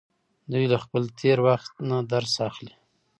دوی له خپل تیره وخت نه درس اخلي.